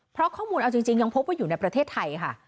เพราะข้อมูลเอาจริงยังพบว่าอยู่ในประเทศไทยค่ะ